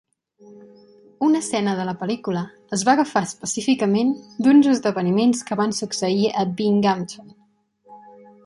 Una escena de la pel·lícula es va agafar específicament d'uns esdeveniments que van succeir a Binghamton.